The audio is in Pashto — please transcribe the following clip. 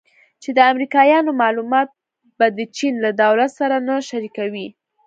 چې د امریکایانو معلومات به د چین له دولت سره نه شریکوي